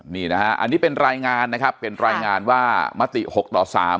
นี่นะฮะอันนี้เป็นรายงานนะครับเป็นรายงานว่ามติ๖ต่อ๓